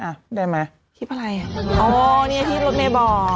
อ่ะได้ไหมคลิปอะไรอ่ะอ๋อเนี้ยที่รถเมย์บอก